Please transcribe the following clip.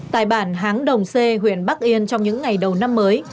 tại bản háng đồng c huyện bắc yên trong những ngày đầu năm mới